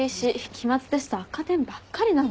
期末テスト赤点ばっかりなのよ。